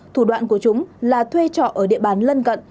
thủ đoạn của chúng là thuê trọ ở địa bàn lân cận